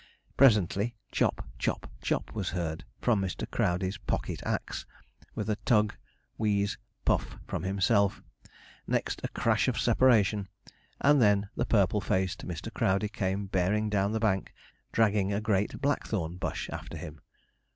Presently, chop, chop, chop, was heard, from Mr. Crowdey's pocket axe, with a tug wheeze puff from himself; next a crash of separation; and then the purple faced Mr. Crowdey came bearing down the bank dragging a great blackthorn bush after him.